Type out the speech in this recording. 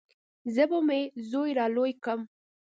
زه به مې زوى رالوى کم.